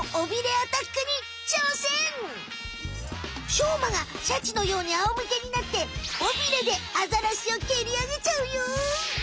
しょうまがシャチのようにあおむけになって尾ビレでアザラシをけり上げちゃうよ。